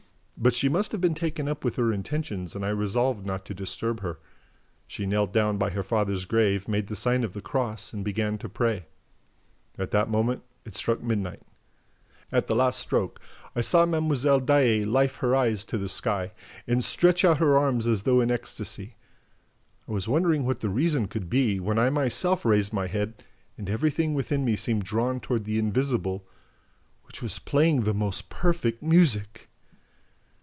But she must have been taken up with her intentions and I resolved not to disturb her. She knelt down by her father's grave, made the sign of the cross and began to pray. At that moment, it struck midnight. At the last stroke, I saw Mlle. Daae life her eyes to the sky and stretch out her arms as though in ecstasy. I was wondering what the reason could be, when I myself raised my head and everything within me seemed drawn toward the invisible, WHICH WAS PLAYING THE MOST PERFECT MUSIC!